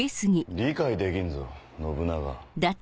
理解できんぞ信長。